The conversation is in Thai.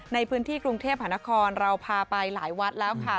ในพื้นที่กรุงเทพหานครเราพาไปหลายวัดแล้วค่ะ